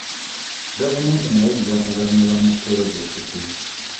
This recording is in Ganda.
Gavumenti nayo ejja kuganyulwa mu pulojekiti.